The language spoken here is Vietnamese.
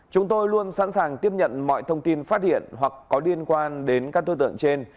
chúng tôi luôn sẵn sàng tiếp nhận mọi thông tin phát hiện hoặc có liên quan đến các đối tượng trên